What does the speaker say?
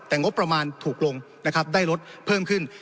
แต่งบประมาณถูกลงนะครับได้ลดเพิ่มขึ้น